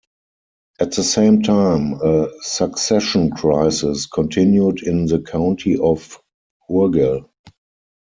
At the same time, a succession crisis continued in the County of Urgell.